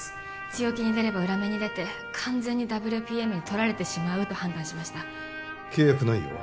強気に出れば裏目に出て完全にＷＰＭにとられてしまうと判断しました契約内容は？